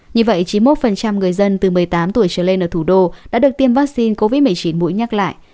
như vậy chín mươi một người dân từ một mươi tám tuổi trở lên ở thủ đô đã được tiêm vaccine covid một mươi chín mũi nhắc lại